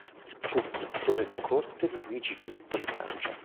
Fu pittore di corte di Luigi Filippo di Francia.